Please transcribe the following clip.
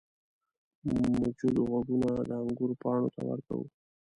موجود غوږونه د انګور پاڼو ته ورته وو.